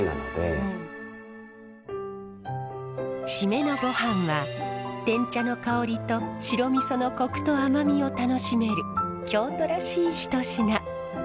締めのごはんはてん茶の香りと白みそのコクと甘みを楽しめる京都らしい一品。